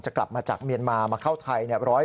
กลับมาจากเมียนมามาเข้าไทย